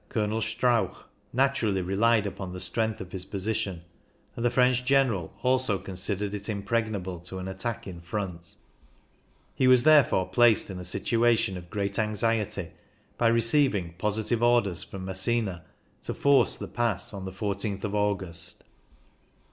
Colonel Strauch, naturally relied upon the strength of his position, and the French General also considered it impreg nable to an attack in front He was there fore placed in a situation of great anxiety by receiving positive orders from Massena to force the Pass on the 14th of August.